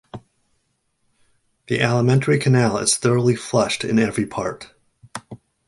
The alimentary canal is thoroughly flushed in every part.